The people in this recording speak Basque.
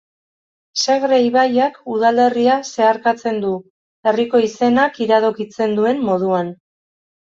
Segre ibaiak udalerria zeharkatzen du, herriko izenak iradokitzen duen moduan.